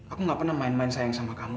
aku gak pernah main main sayang sama kamu